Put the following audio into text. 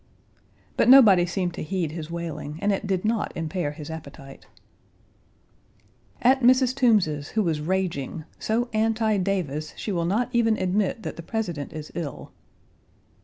But nobody seemed to heed his wailing, and it did not impair his appetite. At Mrs. Toombs's, who was raging; so anti Davis she will not even admit that the President is ill.